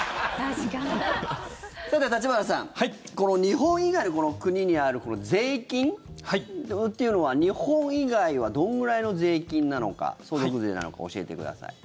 さて、橘さんこの日本以外の国にある税金というのは、日本以外はどのくらいの税金なのか相続税なのか教えてください。